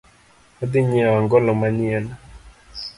Adhii nyieo ang'olo manyien.